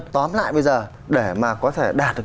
tóm lại bây giờ để mà có thể đạt được